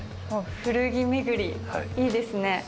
古着巡り、いいですね。